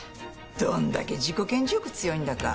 どんだけ自己顕示欲強いんだか。